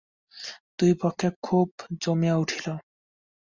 দুই পক্ষে কথা খুব জমিয়া উঠিল।